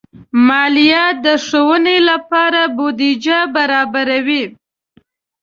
مالیه د ښوونې لپاره بودیجه برابروي.